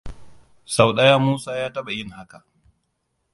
Sau daya Musa ya taba yin haka.